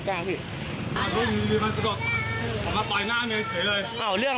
อ้าวเรื่องอะไรอ่ะบัง